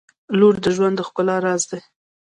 • لور د ژوند د ښکلا راز دی.